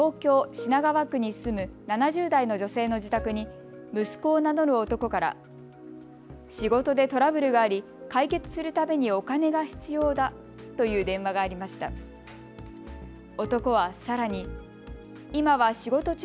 品川区に住む７０代の女性の自宅に息子を名乗る男から仕事でトラブルがあり解決するためにお金が必要だという電話がありました。